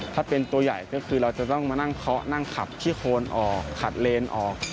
ถ้าเป็นตัวใหญ่ก็คือเราจะต้องมานั่งเคาะนั่งขับขี้โคนออกขัดเลนออก